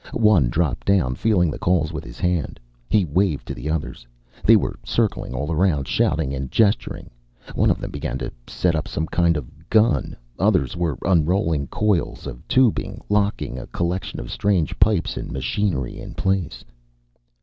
One dropped down, feeling the coals with his hand. He waved to the others. They were circling all around, shouting and gesturing. One of them began to set up some kind of gun. Others were unrolling coils of tubing, locking a collection of strange pipes and machinery in place.